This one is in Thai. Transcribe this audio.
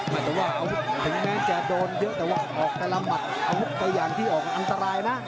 ถึงแม้จะโดนเยอะแต่ว่าออกแต่ละมัดเอาหุบไปอย่างที่ออกอันตรายนะ